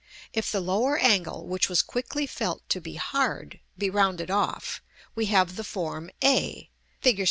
If the lower angle, which was quickly felt to be hard, be rounded off, we have the form a, Fig.